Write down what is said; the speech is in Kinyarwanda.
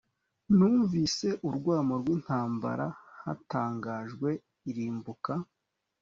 numvise urwamo rw intambara. hatangajwe irimbuka